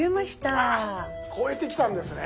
あ超えてきたんですね。